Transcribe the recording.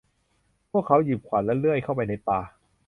พวกเขาหยิบขวานและเลื่อยเข้าไปในป่า